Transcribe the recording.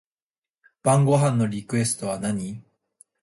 晩ご飯のリクエストは何